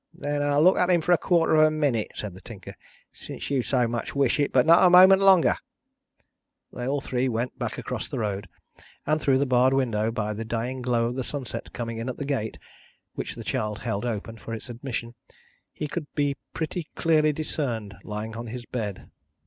"Then I'll look at him for a quarter of a minute," said the Tinker, "since you so much wish it; but not a moment longer." They all three went back across the road; and, through the barred window, by the dying glow of the sunset coming in at the gate which the child held open for its admission he could be pretty clearly discerned lying on his bed.